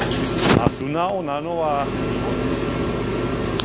素直なのは日本人ですね。